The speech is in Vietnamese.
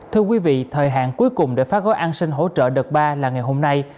thưa quý vị thời hạn cuối cùng để phát gói an sinh hỗ trợ đợt ba là ngày hôm nay